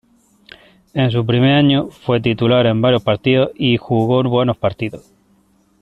En su primer año, fue titular en varios partidos y jugó buenos partidos.